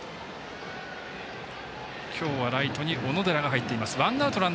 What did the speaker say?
今日はライトに小野寺が入っています。